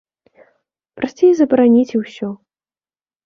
Прасцей забараніць і ўсё.